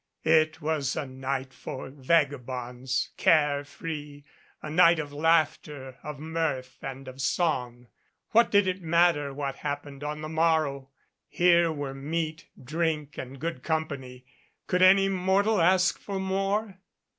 It was a night for vagabonds, care 4 free, a night of laughter, of mirth and of song. What did it matter what happened on the morrow? Here were meat, drink and good company. Could any mortal ask for more?